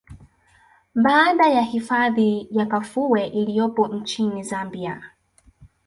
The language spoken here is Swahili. Baada ya hifadhi ya Kafue iliyopo nchini Zambia